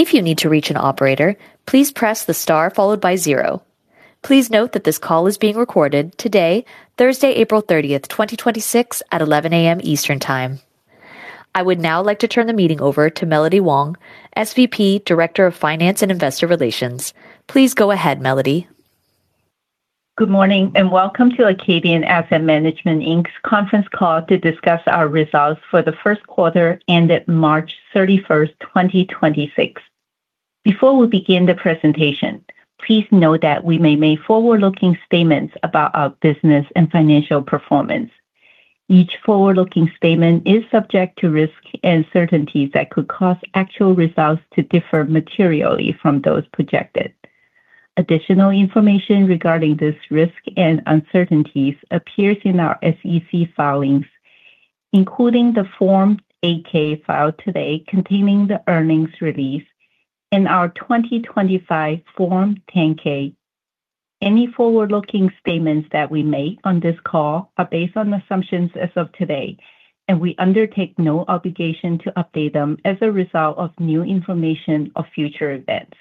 If you need to reach an operator, please press the star followed by zero. Please note that this call is being recorded today, Thursday, April 30th, 2026 at 11:00 A.M. Eastern time. I would now like to turn the meeting over to Melody Huang, SVP, Director of Finance and Investor Relations. Please go ahead, Melody. Good morning, welcome to Acadian Asset Management Inc's conference call to discuss our results for the first quarter ended March 31st, 2026. Before we begin the presentation, please note that we may make forward-looking statements about our business and financial performance. Each forward-looking statement is subject to risks and uncertainties that could cause actual results to differ materially from those projected. Additional information regarding this risk and uncertainties appears in our SEC filings, including the Form 8-K filed today containing the earnings release and our 2025 Form 10-K. Any forward-looking statements that we make on this call are based on assumptions as of today, and we undertake no obligation to update them as a result of new information or future events.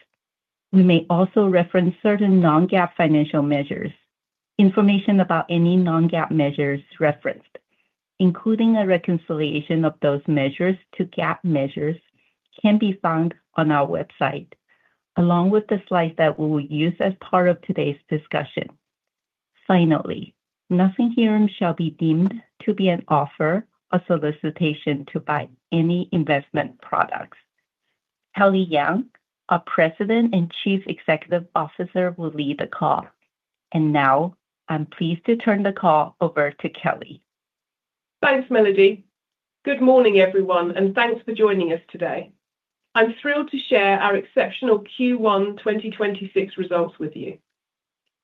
We may also reference certain non-GAAP financial measures. Information about any non-GAAP measures referenced, including a reconciliation of those measures to GAAP measures, can be found on our website, along with the slides that we will use as part of today's discussion. Finally, nothing here shall be deemed to be an offer or solicitation to buy any investment products. Kelly Young, our President and Chief Executive Officer, will lead the call. Now, I'm pleased to turn the call over to Kelly. Thanks, Melody. Good morning, everyone, and thanks for joining us today. I'm thrilled to share our exceptional Q1 2026 results with you.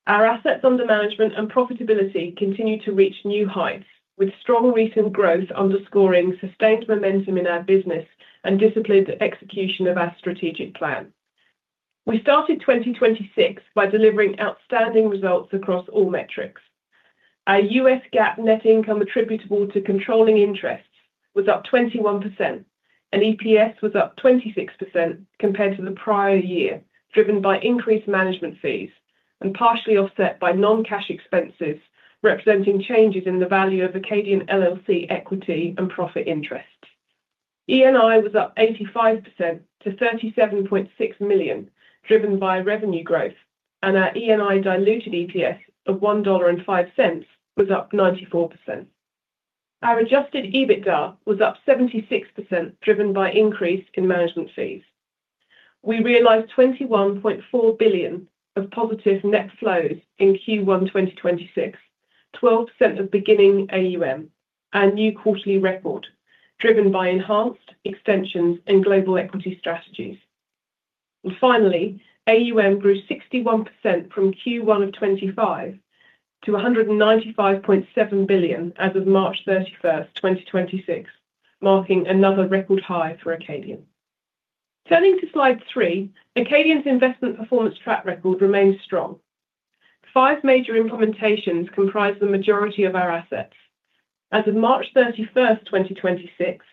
Our assets under management and profitability continue to reach new heights, with strong recent growth underscoring sustained momentum in our business and disciplined execution of our strategic plan. We started 2026 by delivering outstanding results across all metrics. Our U.S. GAAP net income attributable to controlling interests was up 21%, and EPS was up 26% compared to the prior year, driven by increased management fees and partially offset by non-cash expenses representing changes in the value of Acadian LLC equity and profit interest. ENI was up 85% to $37.6 million, driven by revenue growth, and our ENI diluted EPS of $1.05 was up 94%. Our adjusted EBITDA was up 76%, driven by increase in management fees. We realized $21.4 billion of positive net flows in Q1 2026, 12% of beginning AUM, our new quarterly record, driven by enhanced extensions in global equity strategies. Finally, AUM grew 61% from Q1 of 2025 to $195.7 billion as of March 31st, 2026, marking another record high for Acadian. Turning to slide three, Acadian's investment performance track record remains strong. Five major implementations comprise the majority of our assets. As of March 31st, 2026,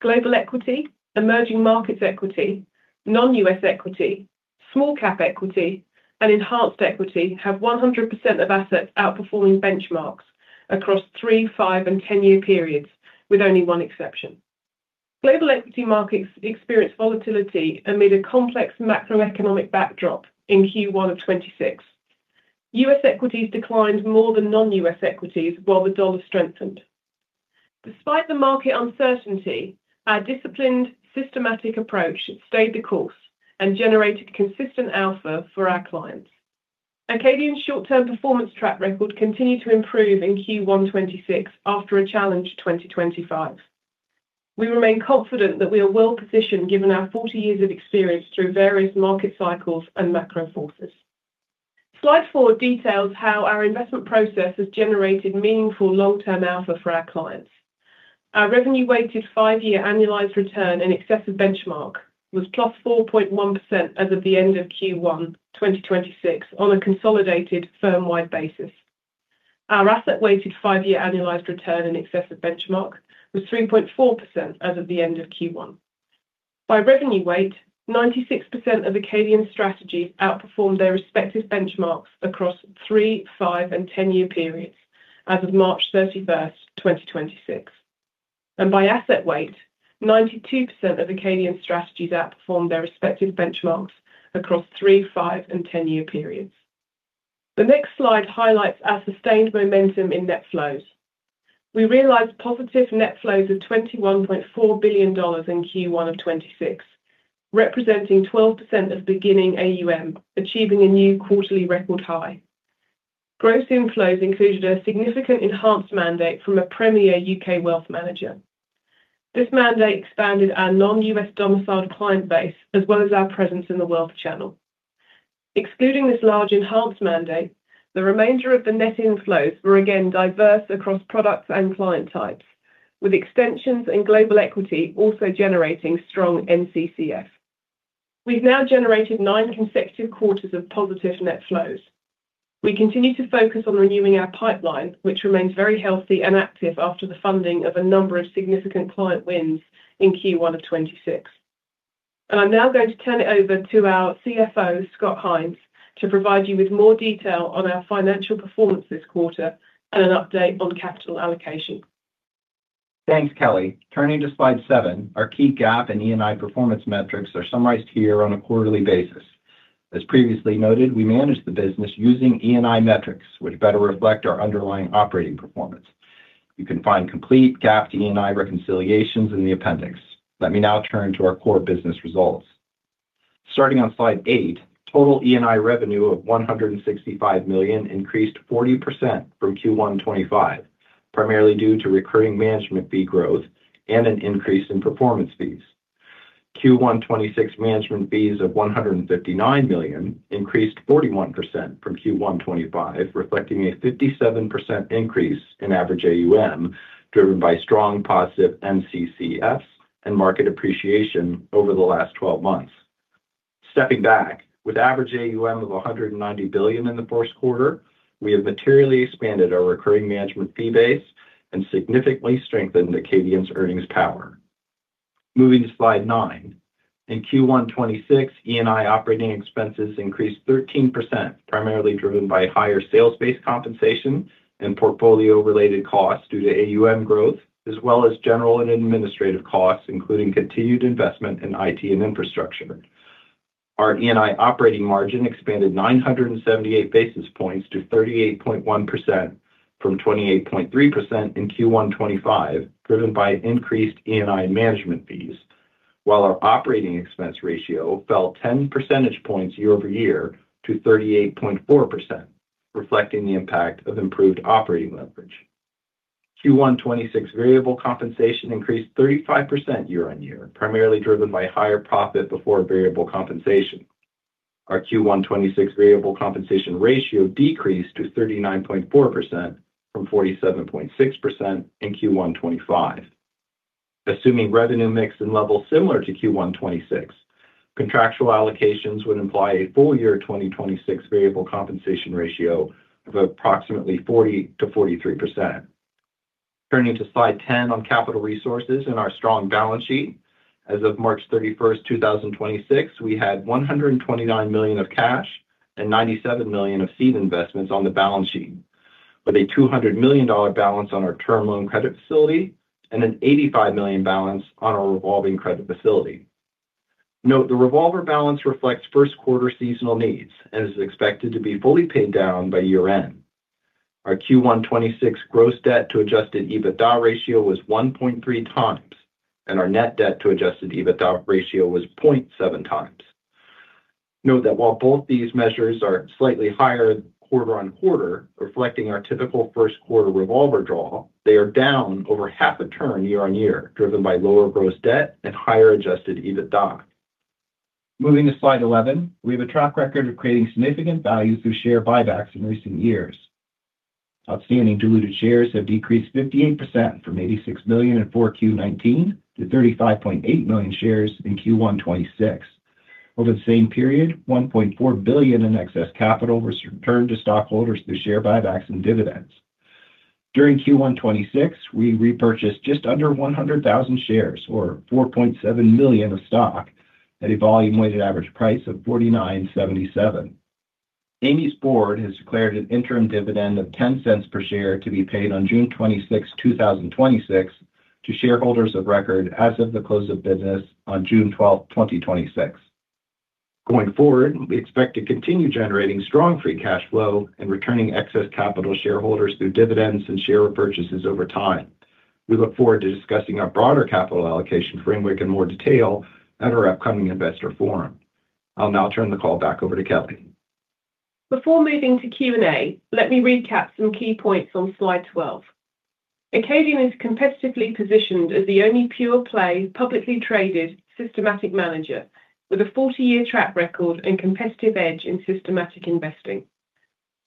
global equity, emerging markets equity, non-U.S. equity, small cap equity, and enhanced equity have 100% of assets outperforming benchmarks across three, five, and 10-year periods, with only one exception. global equity markets experienced volatility amid a complex macroeconomic backdrop in Q1 of 2026. U.S. equities declined more than non-U.S. equities, while the dollar strengthened. Despite the market uncertainty, our disciplined, systematic approach stayed the course and generated consistent alpha for our clients. Acadian's short-term performance track record continued to improve in Q1 2026 after a challenged 2025. We remain confident that we are well-positioned given our 40 years of experience through various market cycles and macro forces. Slide four details how our investment process has generated meaningful long-term alpha for our clients. Our revenue-weighted five-year annualized return in excess of benchmark was +4.1% as of the end of Q1 2026 on a consolidated firm-wide basis. Our asset-weighted five-year annualized return in excess of benchmark was 3.4% as of the end of Q1. By revenue weight, 96% of Acadian strategies outperformed their respective benchmarks across three, five, and 10-year periods as of March 31st, 2026. By asset weight, 92% of Acadian strategies outperformed their respective benchmarks across three, five, and 10-year periods. The next slide highlights our sustained momentum in net flows. We realized positive net flows of $21.4 billion in Q1 of 2026, representing 12% of beginning AUM, achieving a new quarterly record high. Gross inflows included a significant enhanced mandate from a premier U.K. wealth manager. This mandate expanded our non-U.S. domiciled client base as well as our presence in the wealth channel. Excluding this large enhanced mandate, the remainder of the net inflows were again diverse across products and client types, with extensions in global equity also generating strong NCCF. We've now generated nine consecutive quarters of positive net flows. We continue to focus on renewing our pipeline, which remains very healthy and active after the funding of a number of significant client wins in Q1 2026. I'm now going to turn it over to our CFO, Scott Hynes, to provide you with more detail on our financial performance this quarter and an update on capital allocation. Thanks, Kelly. Turning to slide seven, our key GAAP and ENI performance metrics are summarized here on a quarterly basis. As previously noted, we manage the business using ENI metrics, which better reflect our underlying operating performance. You can find complete GAAP to ENI reconciliations in the appendix. Let me now turn to our core business results. Starting on slide eight, total ENI revenue of $165 million increased 40% from Q1 2025, primarily due to recurring management fee growth and an increase in performance fees. Q1 2026 management fees of $159 million increased 41% from Q1 2025, reflecting a 57% increase in average AUM, driven by strong positive NCCFs and market appreciation over the last 12 months. Stepping back, with average AUM of $190 billion in the first quarter, we have materially expanded our recurring management fee base and significantly strengthened Acadian's earnings power. Moving to slide nine. In Q1 2026, ENI operating expenses increased 13%, primarily driven by higher sales-based compensation and portfolio-related costs due to AUM growth, as well as general and administrative costs, including continued investment in IT and infrastructure. Our ENI operating margin expanded 978 basis points to 38.1% from 28.3% in Q1 2025, driven by increased ENI management fees, while our operating expense ratio fell 10 percentage points year-over-year to 38.4%, reflecting the impact of improved operating leverage. Q1 2026 variable compensation increased 35% year-on-year, primarily driven by higher profit before variable compensation. Our Q1 2026 variable compensation ratio decreased to 39.4% from 47.6% in Q1 2025. Assuming revenue mix and levels similar to Q1 2026, contractual allocations would imply a full year 2026 variable compensation ratio of approximately 40%-43%. Turning to slide 10 on capital resources and our strong balance sheet. As of March 31st, 2026, we had $129 million of cash and $97 million of seed investments on the balance sheet, with a $200 million balance on our term loan credit facility and an $85 million balance on our revolving credit facility. Note, the revolver balance reflects first quarter seasonal needs and is expected to be fully paid down by year end. Our Q1 2026 gross debt to adjusted EBITDA ratio was 1.3x, and our net debt to adjusted EBITDA ratio was 0.7x. Note that while both these measures are slightly higher quarter-over-quarter, reflecting our typical first quarter revolver draw, they are down over half a turn year-over-year, driven by lower gross debt and higher adjusted EBITDA. Moving to slide 11. We have a track record of creating significant value through share buybacks in recent years. Outstanding diluted shares have decreased 58% from 86 million in 4Q 2019 to 35.8 million shares in Q1 2026. Over the same period, $1.4 billion in excess capital was returned to stockholders through share buybacks and dividends. During Q1 2026, we repurchased just under 100,000 shares or $4.7 million of stock at a volume weighted average price of $49.77. Acadian's board has declared an interim dividend of $0.10 per share to be paid on June 26, 2026 to shareholders of record as of the close of business on June 12, 2026. Going forward, we expect to continue generating strong free cash flow and returning excess capital to shareholders through dividends and share repurchases over time. We look forward to discussing our broader capital allocation framework in more detail at our upcoming Acadian Investor Forum. I'll now turn the call back over to Kelly. Before moving to Q&A, let me recap some key points on slide 12. Acadian is competitively positioned as the only pure play, publicly traded, systematic manager with a 40-year track record and competitive edge in systematic investing.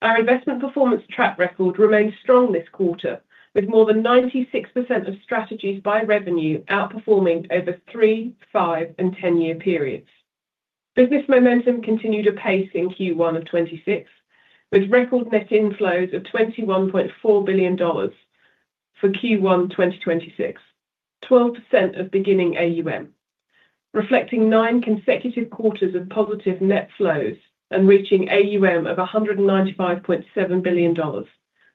Our investment performance track record remains strong this quarter, with more than 96% of strategies by revenue outperforming over three, five and 10-year periods. Business momentum continued apace in Q1 2026, with record net inflows of $21.4 billion for Q1 2026. 12% of beginning AUM, reflecting nine consecutive quarters of positive net flows and reaching AUM of $195.7 billion,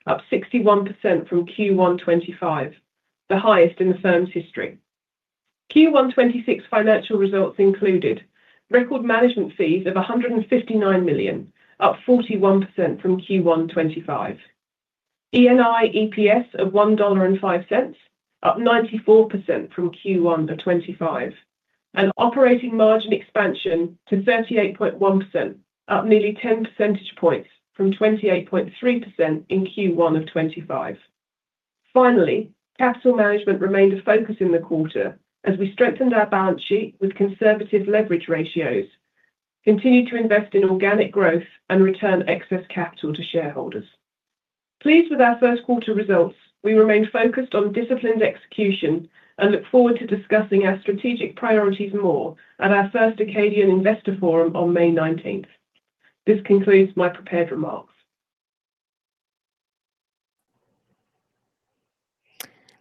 up 61% from Q1 2025, the highest in the firm's history. Q1 2026 financial results included record management fees of $159 million, up 41% from Q1 2025. ENI EPS of $1.05, up 94% from Q1 2025. An operating margin expansion to 38.1%, up nearly 10 percentage points from 28.3% in Q1 2025. Finally, capital management remained a focus in the quarter as we strengthened our balance sheet with conservative leverage ratios, continued to invest in organic growth and return excess capital to shareholders. Pleased with our first quarter results, we remain focused on disciplined execution and look forward to discussing our strategic priorities more at our first Acadian Investor Forum on May 19th. This concludes my prepared remarks.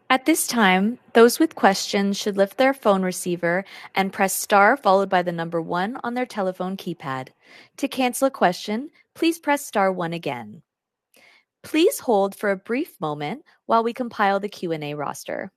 At this time, those with questions should lift their phone receiver and press star followed by the number one on their telephone keypad. To cancel a question, please press star one again. Please hold for a brief moment while we compile the Q&A roster.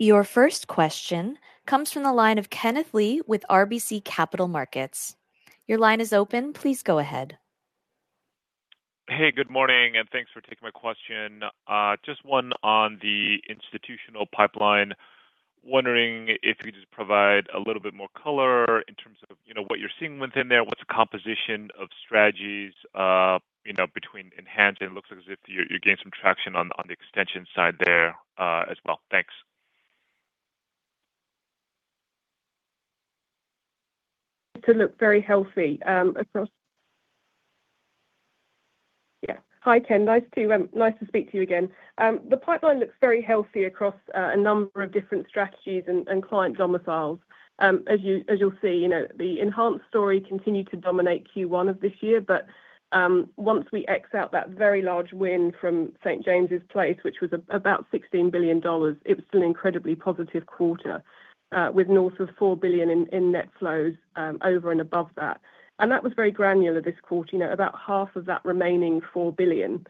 Your first question comes from the line of Kenneth Lee with RBC Capital Markets. Your line is open. Please go ahead. Hey, good morning, and thanks for taking my question. Just one on the institutional pipeline. Wondering if you could just provide a little bit more color in terms of, you know, what you're seeing within there. What's the composition of strategies, you know, between enhanced and it looks as if you gained some traction on the extension side there as well. Thanks. To look very healthy. Yeah. Hi, Ken. Nice to speak to you again. The pipeline looks very healthy across a number of different strategies and client domiciles. As you'll see, you know, the enhanced equity continued to dominate Q1 of this year. Once we X out that very large win from St. James's Place, which was about $16 billion, it was an incredibly positive quarter with north of $4 billion in net flows over and above that. That was very granular this quarter. You know, about 1/2 of that remaining $4 billion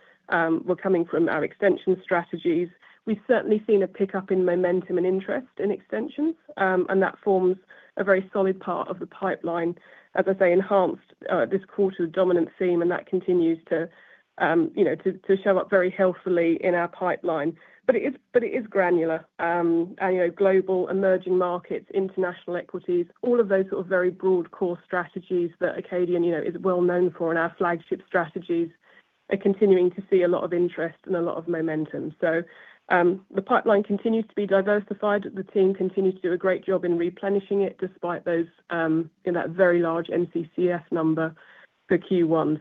were coming from our extension strategies. We've certainly seen a pickup in momentum and interest in extensions. That forms a very solid part of the pipeline. As I say, enhanced, this quarter's dominant theme, and that continues to, you know, to show up very healthily in our pipeline. It is, but it is granular. You know, global emerging markets, international equities, all of those sort of very broad core strategies that Acadian, you know, is well known for and our flagship strategies are continuing to see a lot of interest and a lot of momentum. The pipeline continues to be diversified. The team continues to do a great job in replenishing it despite those, you know, that very large NCCF number for Q1.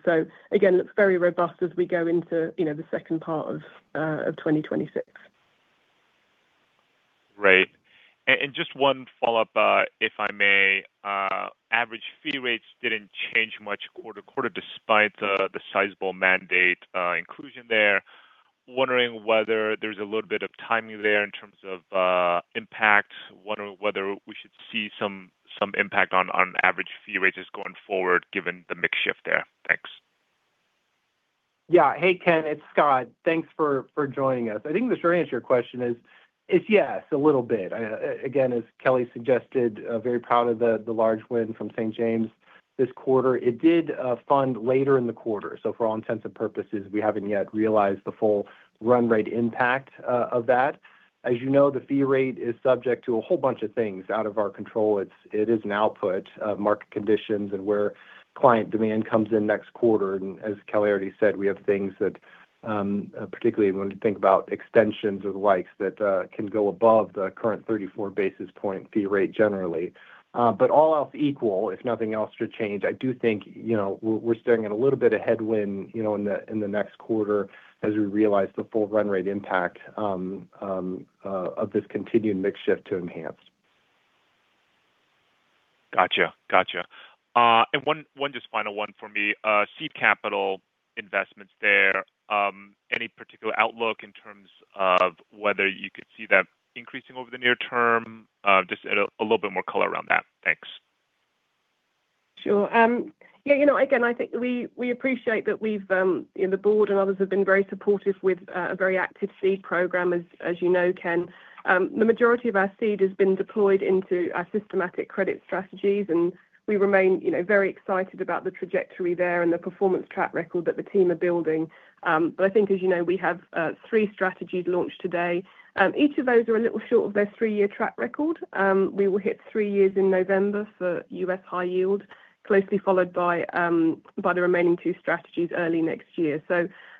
Again, looks very robust as we go into, you know, the second part of 2026. Great. Just one follow-up, if I may. Average fee rates didn't change much quarter to quarter despite the sizable mandate inclusion there. Wondering whether there's a little bit of timing there in terms of impact. Wonder whether we should see some impact on average fee rates just going forward given the mix shift there. Thanks. Yeah. Hey, Ken, it's Scott. Thanks for joining us. I think the short answer to your question is yes, a little bit. Again, as Kelly suggested, very proud of the large win from St. James this quarter. It did fund later in the quarter, so for all intents and purposes, we haven't yet realized the full run rate impact of that. As you know, the fee rate is subject to a whole bunch of things out of our control. It is an output of market conditions and where client demand comes in next quarter. As Kelly already said, we have things that particularly when we think about extensions or the likes that can go above the current 34 basis point fee rate generally. All else equal, if nothing else should change, I do think, you know, we're staring at a little bit of headwind, you know, in the next quarter as we realize the full run rate impact of this continued mix shift to enhanced. Gotcha. Gotcha. One just final one for me. Seed capital investments there, any particular outlook in terms of whether you could see that increasing over the near term? Just a little bit more color around that. Thanks. Sure. Yeah, you know, again, I think we appreciate that we've, the board and others have been very supportive with, a very active seed program as you know, Ken. The majority of our seed has been deployed into our systematic credit strategies, and we remain, you know, very excited about the trajectory there and the performance track record that the team are building. I think, as you know, we have, three strategies launched today. Each of those are a little short of their three-year track record. We will hit three years in November for U.S. high yield, closely followed by the remaining two strategies early next year.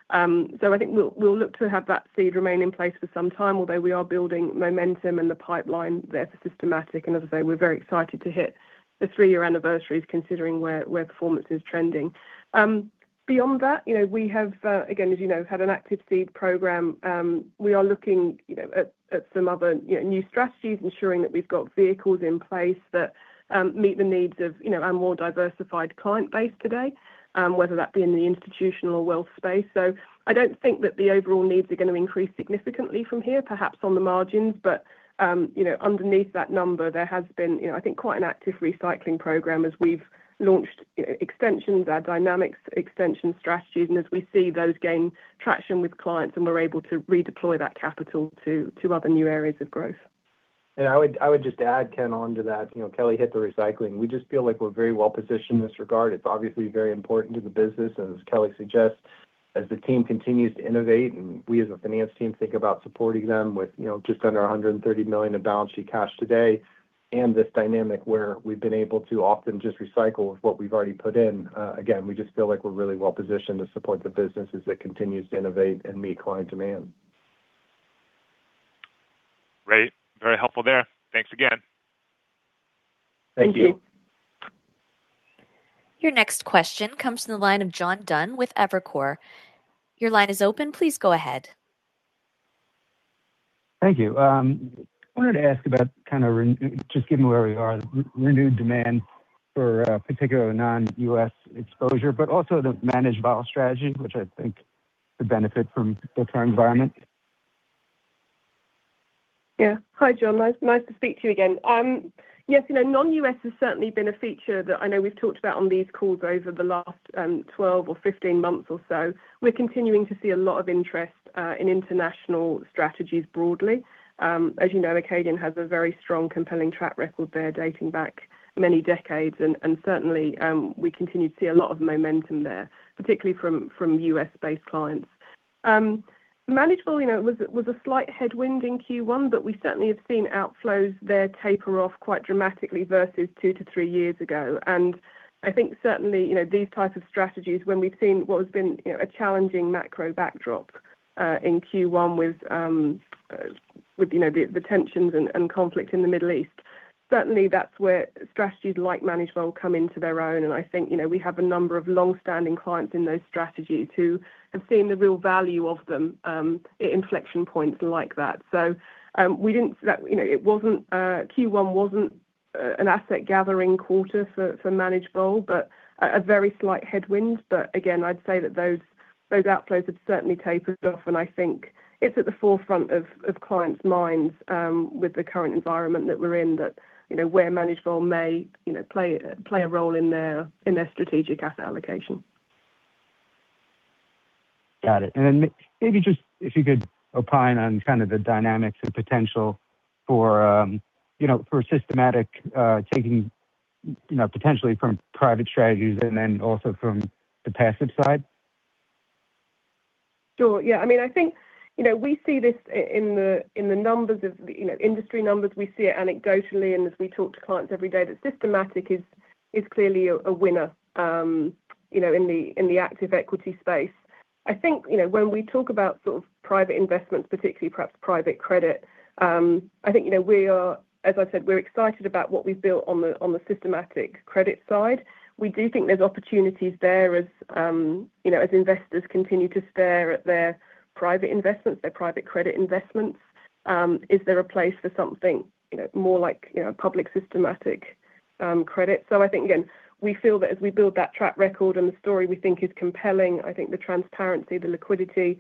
I think we'll look to have that seed remain in place for some time, although we are building momentum in the pipeline there for systematic. As I say, we're very excited to hit the three-year anniversaries considering where performance is trending. Beyond that, you know, we have, again, as you know, had an active seed program. We are looking, you know, at some other, you know, new strategies, ensuring that we've got vehicles in place that meet the needs of, you know, our more diversified client base today, whether that be in the institutional or wealth space. I don't think that the overall needs are gonna increase significantly from here, perhaps on the margins. You know, underneath that number, there has been, you know, I think quite an active recycling program as we've launched e- extensions, our dynamics extension strategies, and as we see those gain traction with clients and we're able to redeploy that capital to other new areas of growth. I would just add, Ken, onto that, you know, Kelly hit the recycling. We just feel like we're very well-positioned in this regard. It's obviously very important to the business, as Kelly suggests. The team continues to innovate and we as a finance team think about supporting them with, you know, just under $130 million of balance sheet cash today. This dynamic where we've been able to often just recycle what we've already put in, again, we just feel like we're really well-positioned to support the business as it continues to innovate and meet client demand. Great. Very helpful there. Thanks again. Thank you. Thank you. Your next question comes from the line of John Dunn with Evercore. Your line is open. Please go ahead. Thank you. wanted to ask about kind of just given where we are, renewed demand for particular non-U.S. exposure, but also the managed vol strategy, which I think could benefit from the current environment. Hi, John. Nice to speak to you again. Yes, you know, non-U.S. has certainly been a feature that I know we've talked about on these calls over the last 12 or 15 months or so. We're continuing to see a lot of interest in international strategies broadly. As you know, Acadian has a very strong, compelling track record there dating back many decades, and certainly, we continue to see a lot of momentum there, particularly from U.S.-based clients. Managed vol, you know, was a slight headwind in Q1, but we certainly have seen outflows there taper off quite dramatically versus two to three years ago. I think certainly, you know, these type of strategies, when we've seen what has been, you know, a challenging macro backdrop in Q1 with, you know, the tensions and conflict in the Middle East. That's where strategies like managed vol come into their own. I think, you know, we have a number of long-standing clients in those strategies who have seen the real value of them at inflection points like that. We didn't see that, you know, it wasn't Q1 wasn't an asset-gathering quarter for managed vol, but a very slight headwind. Again, I'd say that those outflows have certainly tapered off. I think it's at the forefront of clients' minds, with the current environment that we're in that, you know, where managed vol may, you know, play a role in their strategic asset allocation. Got it. Maybe just if you could opine on kind of the dynamics and potential for, you know, for systematic taking, you know, potentially from private strategies and then also from the passive side. Sure, yeah. I mean, I think, you know, we see this in the, in the numbers of, you know, industry numbers. We see it anecdotally and as we talk to clients every day, that systematic is clearly a winner, you know, in the, in the active equity space. I think, you know, when we talk about sort of private investments, particularly perhaps private credit, I think, you know, we are, as I said, we're excited about what we've built on the, on the Systematic Credit side. We do think there's opportunities there as, you know, as investors continue to stare at their private investments, their private credit investments. Is there a place for something, you know, more like, you know, public Systematic Credit? I think, again, we feel that as we build that track record and the story we think is compelling, I think the transparency, the liquidity,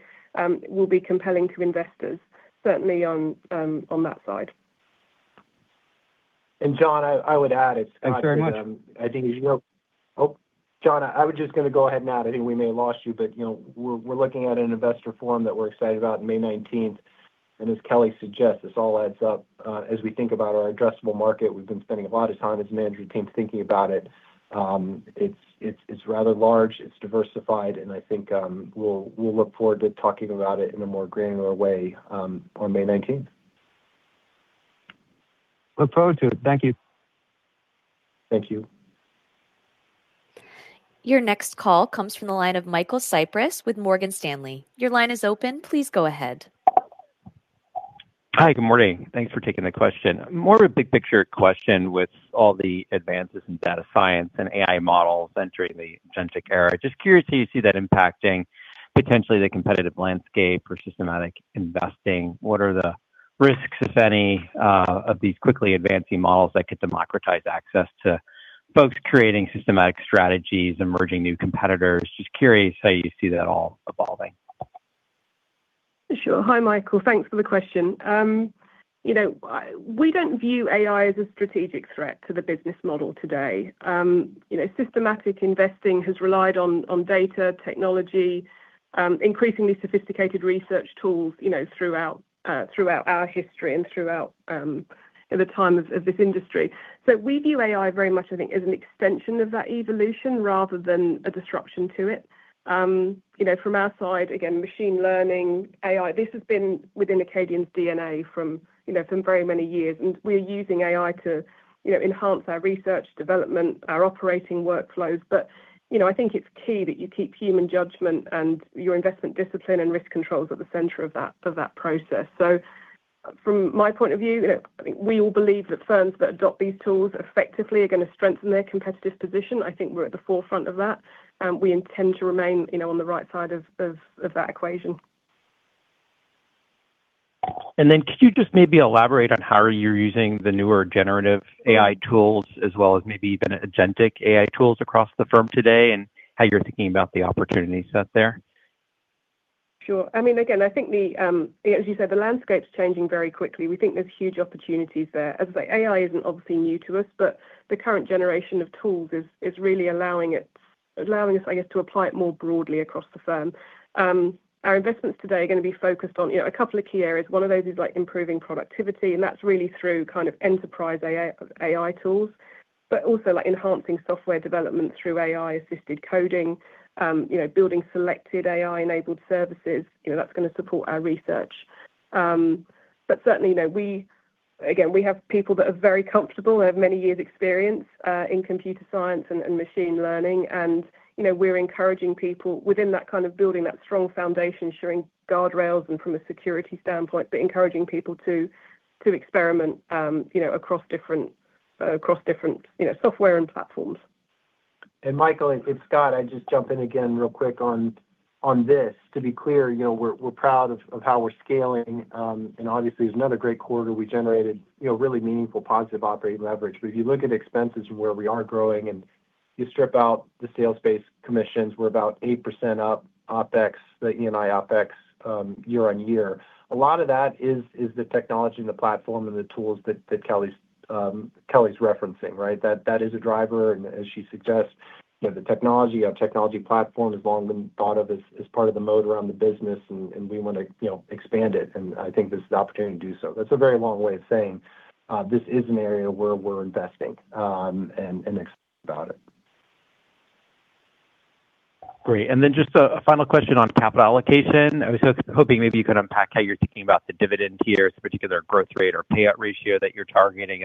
will be compelling to investors, certainly on that side. John, I would add. Thanks very much. I think as you know. Oh, John, I was just going to go ahead and add, I think we may have lost you. You know, we're looking at an Acadian Investor Forum that we're excited about in May 19th. As Kelly suggests, this all adds up as we think about our addressable market. We've been spending a lot of time as a management team thinking about it. It's rather large, it's diversified, and I think we'll look forward to talking about it in a more granular way on May 19th. Look forward to it. Thank you. Thank you. Your next call comes from the line of Michael Cyprys with Morgan Stanley. Your line is open. Please go ahead. Hi, good morning. Thanks for taking the question. More of a big picture question with all the advances in data science and AI models entering the agentic era. Just curious how you see that impacting potentially the competitive landscape for systematic investing. What are the risks, if any, of these quickly advancing models that could democratize access to folks creating systematic strategies, emerging new competitors? Just curious how you see that all evolving. Sure. Hi, Michael. Thanks for the question. You know, we don't view AI as a strategic threat to the business model today. You know, systematic investing has relied on data, technology, increasingly sophisticated research tools, you know, throughout our history and throughout the time of this industry. We view AI very much, I think, as an extension of that evolution rather than a disruption to it. You know, from our side, again, machine learning, AI, this has been within Acadian's DNA from very many years. We're using AI to, you know, enhance our research development, our operating workflows. You know, I think it's key that you keep human judgment and your investment discipline and risk controls at the center of that process. From my point of view, you know, I think we all believe that firms that adopt these tools effectively are gonna strengthen their competitive position. I think we're at the forefront of that, and we intend to remain, you know, on the right side of that equation. Could you just maybe elaborate on how you're using the newer generative AI tools as well as maybe even agentic AI tools across the firm today, and how you're thinking about the opportunity set there? Sure. I mean, again, I think the, as you said, the landscape's changing very quickly. We think there's huge opportunities there. As I say, AI isn't obviously new to us, but the current generation of tools is really allowing us, I guess, to apply it more broadly across the firm. Our investments today are gonna be focused on, you know, a couple of key areas. One of those is, like, improving productivity, and that's really through kind of enterprise AI tools. Also, like, enhancing software development through AI-assisted coding. You know, building selected AI-enabled services. You know, that's gonna support our research. Certainly, you know, Again, we have people that are very comfortable, have many years' experience, in computer science and machine learning and, you know, we're encouraging people within that kind of building, that strong foundation, ensuring guardrails and from a security standpoint, but encouraging people to experiment, you know, across different, across different, you know, software and platforms. Michael, it's Scott. I'd just jump in again real quick on this. To be clear, you know, we're proud of how we're scaling. Obviously it's another great quarter. We generated, you know, really meaningful positive operating leverage. If you look at expenses and where we are growing and you strip out the sales-based commissions, we're about 8% up, OpEx, the ENI OpEx, year on year. A lot of that is the technology and the platform and the tools that Kelly's referencing, right? That is a driver, and as she suggests, you know, the technology, our technology platform has long been thought of as part of the mode around the business and we wanna, you know, expand it, I think this is the opportunity to do so. That's a very long way of saying, this is an area where we're investing, and excited about it. Great. Just a final question on capital allocation. I was hoping maybe you could unpack how you're thinking about the dividend here, a particular growth rate or payout ratio that you're targeting.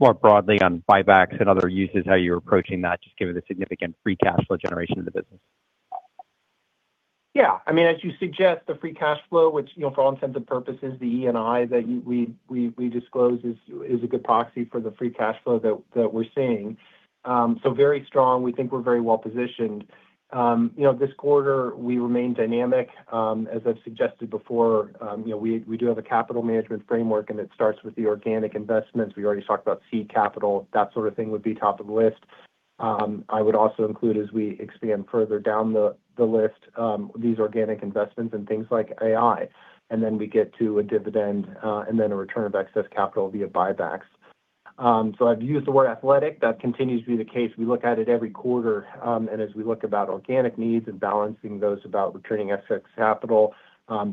More broadly on buybacks and other uses, how you're approaching that, just given the significant free cash flow generation of the business. Yeah. I mean, as you suggest, the free cash flow, which, you know, for all intents and purposes, the ENI that we disclose is a good proxy for the free cash flow that we're seeing. Very strong. We think we're very well-positioned. You know, this quarter we remain dynamic. As I've suggested before, you know, we do have a capital management framework. It starts with the organic investments. We already talked about seed capital. That sort of thing would be top of the list. I would also include as we expand further down the list, these organic investments and things like AI. We get to a dividend, then a return of excess capital via buybacks. I've used the word athletic. That continues to be the case. We look at it every quarter. As we look about organic needs and balancing those about returning excess capital,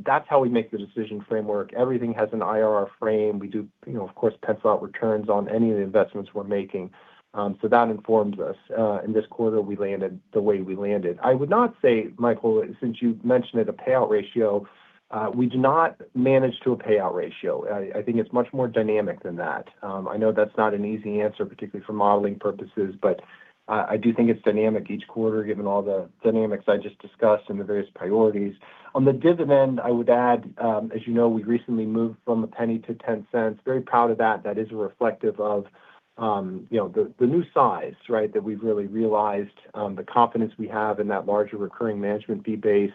that's how we make the decision framework. Everything has an IRR frame. We do, you know, of course, pencil out returns on any of the investments we're making. That informs us. In this quarter, we landed the way we landed. I would not say, Michael, since you've mentioned it, a payout ratio, we do not manage to a payout ratio. I think it's much more dynamic than that. I know that's not an easy answer, particularly for modeling purposes, but I do think it's dynamic each quarter given all the dynamics I just discussed and the various priorities. On the dividend, I would add, as you know, we recently moved from $0.01 to $0.10. Very proud of that. That is reflective of, you know, the new size, right, that we've really realized, the confidence we have in that larger recurring management fee base,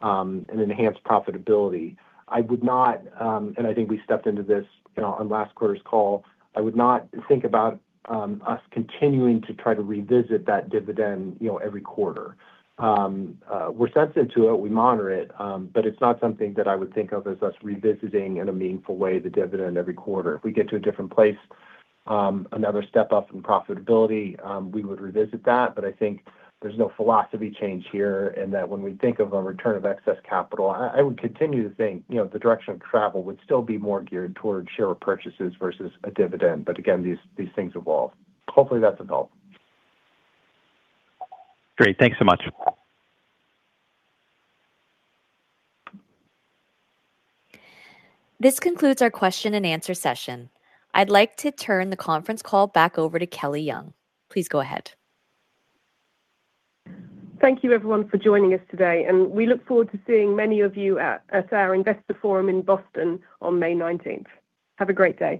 and enhanced profitability. I would not, and I think we stepped into this, you know, on last quarter's call, I would not think about us continuing to try to revisit that dividend, you know, every quarter. We're sensitive to it, we monitor it, but it's not something that I would think of as us revisiting in a meaningful way the dividend every quarter. If we get to a different place, another step up in profitability, we would revisit that. I think there's no philosophy change here in that when we think of a return of excess capital, I would continue to think, you know, the direction of travel would still be more geared towards share purchases versus a dividend. Again, these things evolve. Hopefully, that's of help. Great. Thanks so much. This concludes our question and answer session. I'd like to turn the conference call back over to Kelly Young. Please go ahead. Thank you everyone for joining us today. We look forward to seeing many of you at our Acadian Investor Forum in Boston on May 19th. Have a great day.